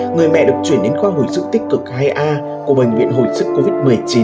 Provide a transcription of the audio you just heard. người mẹ được chuyển đến khoa hồi sức tích cực hai a của bệnh viện hồi sức covid một mươi chín